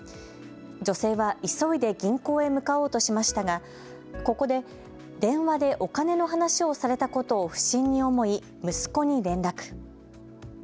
女性は急いで銀行へ向かおうとしましたが、ここで電話でお金の話をされたことを不審に思い息子に連絡。